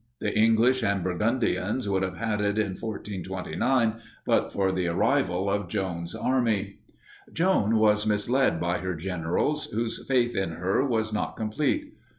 The English and Burgundians would have had it in 1429 but for the arrival of Joan's army. Joan was misled by her generals, whose faith in her was not complete.